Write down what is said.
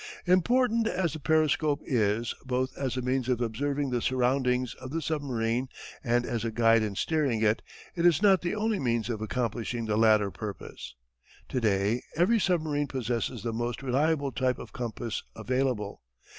Important as the periscope is both as a means of observing the surroundings of the submarine and as a guide in steering it, it is not the only means of accomplishing the latter purpose. To day every submarine possesses the most reliable type of compass available.